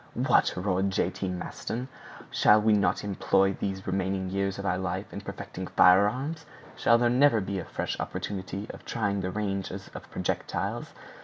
"What!" roared J. T. Maston, "shall we not employ these remaining years of our life in perfecting firearms? Shall there never be a fresh opportunity of trying the ranges of projectiles?